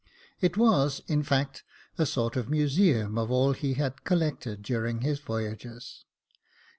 It was, in fact, a sort of museum of all he had collected during his voyages.